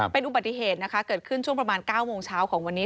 เป็นอุบัติเหตุนะคะเกิดขึ้นช่วงประมาณ๙โมงเช้าของวันนี้